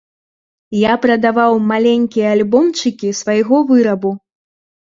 Я прадаваў маленькія альбомчыкі свайго вырабу.